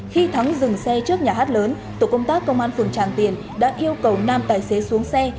khi thắng dừng xe trước nhà hát lớn tổ công tác công an phường tràng tiền đã yêu cầu nam tài xế xuống xe